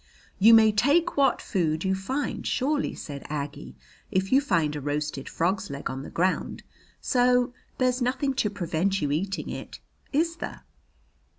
"You may take what food you find, surely," said Aggie. "If you find a roasted frog's leg on the ground so there's nothing to prevent you eating it, is there?"